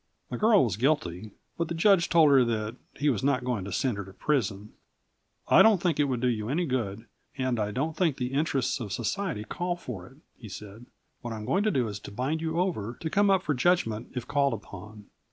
The girl was guilty, but the judge told her that he was not going to send her to prison. "I don't think it would do you any good, and I don't think the interests of society call for it," he said. "What I'm going to do is to bind you over to come up for judgment if called upon.